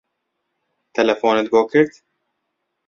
تەلەفۆنت بۆ کرد؟